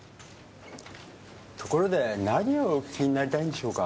ところで何をお訊きになりたいんでしょうか？